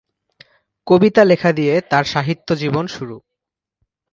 কবিতা লেখা দিয়ে তার সাহিত্য জীবন শুরু।